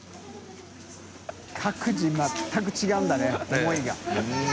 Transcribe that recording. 銅全く違うんだね思いが。ねぇ。